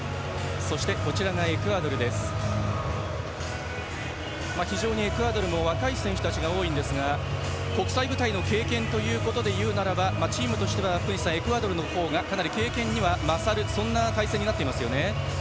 そして、対するエクアドルも若い選手たちが多いんですが国際舞台の経験ということでいうならばチームとしてはエクアドルの方が経験には勝る対戦にはなっていますね。